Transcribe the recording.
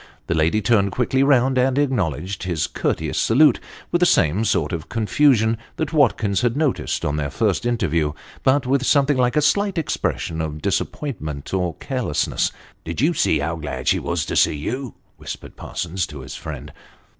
The lady turned quickly round, and acknowledged his courteous salute with the same sort of confusion that Watkins had noticed on their first interview, but with something like a slight expression of disappointment or carelessness. " Did you see how glad she was to see you ?" whispered Parsons to his friend.